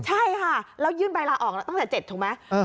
ใช่ค่ะแล้วยื่นใบลาออกแล้วตั้งแต่๗ถูกไหม